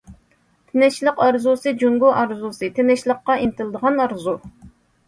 تىنچلىق ئارزۇسى جۇڭگو ئارزۇسى تىنچلىققا ئىنتىلىدىغان ئارزۇ.